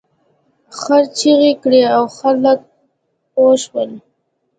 خر چیغې کړې او خلک پوه شول.